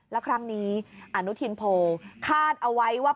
และครั้งนี้อนุทินโพคาดเอาไว้ว่า